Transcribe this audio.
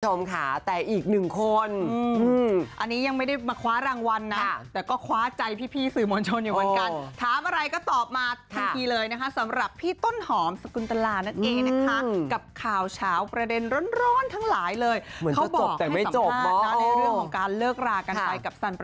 คุณผู้ชมค่ะแต่อีกหนึ่งคนอันนี้ยังไม่ได้มาคว้ารางวัลนะแต่ก็คว้าใจพี่สื่อมวลชนอยู่เหมือนกันถามอะไรก็ตอบมาทันทีเลยนะคะสำหรับพี่ต้นหอมสกุลตลานั่นเองนะคะกับข่าวเฉาประเด็นร้อนทั้งหลายเลยเหมือนเขาบอกแต่ไม่จบ